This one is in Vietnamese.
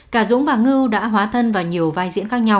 cả dũng và ngư đã hóa thân vào nhiều vai diễn khác nhau